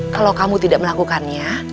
kalau kamu tidak melakukannya